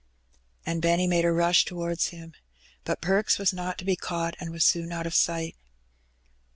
And Benny made a rush towards him. But Perks was not to be caught, and was soon out of sight.